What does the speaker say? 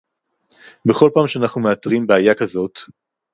בכל פעם שאנחנו מאתרים בעיה כזאת